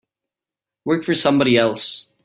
Work for somebody else.